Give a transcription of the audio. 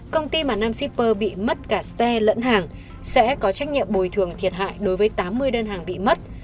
công ty mà nam shipper bị mất cả xe lẫn hàng sẽ có trách nhiệm bồi thường thiệt hại đối với tám mươi đơn hàng bị mất